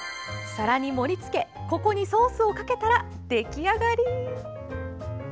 皿に盛り付けここにソースをかけたら出来上がり。